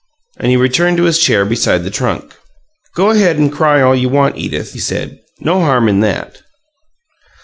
And he returned to his chair beside the trunk. "Go ahead and cry all you want, Edith," he said. "No harm in that!"